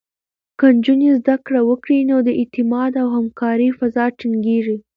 که نجونې زده کړه وکړي، نو د اعتماد او همکارۍ فضا ټینګېږي.